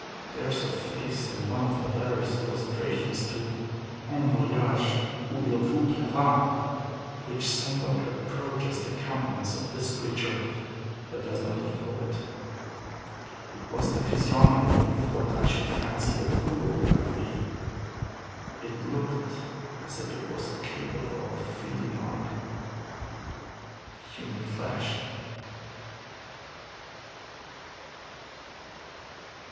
There is a face in one of the latter's illustrations to Un Voyage où il vous plaira, which somewhat approaches the countenance of this creature, but does not equal it. It was the physiognomy of what I should fancy a ghoul might be. It looked as if it was capable of feeding on human flesh.